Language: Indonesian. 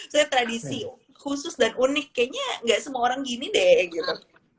jadi ada tradisi khusus dan unik kayaknya nggak semua orang gini deh gitu